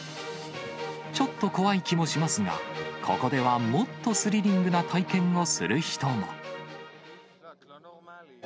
ちょっと怖い気もしますが、ここではもっとスリリングな体験をする人も。